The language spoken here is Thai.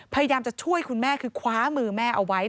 พยายามจะช่วยคุณแม่คือคว้ามือแม่เอาไว้